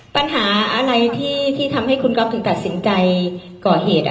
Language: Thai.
ปัญหาอะไรที่ทำให้คุณก็คือกัดสินใจก่อเหตุอ่ะคะ